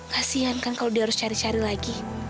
kasian kan kalau dia harus cari cari lagi